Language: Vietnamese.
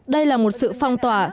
đây là một sự phong tỏa